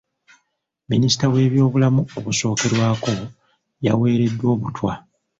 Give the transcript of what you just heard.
Minisita w'ebyobulamu ebisookerwako y'aweereddwa obutwa.